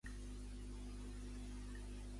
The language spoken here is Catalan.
Please', més pensament, anàlisi, equilibri i raó.